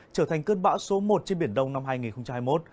trở thành cơn bão số một trên biển đông năm hai nghìn hai mươi một